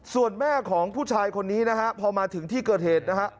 ส่วนแม่ของผู้ชายคนนี้พอมาถึงที่เกิดเหตุ